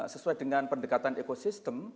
sesuai dengan pendekatan ekosistem